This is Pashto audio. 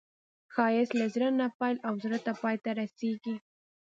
ښایست له زړه نه پیل او زړه ته پای ته رسېږي